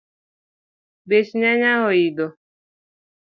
Bech nyanya oidho